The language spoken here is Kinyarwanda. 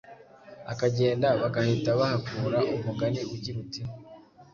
akagenda, bagahita bahakura umugani ugira uti: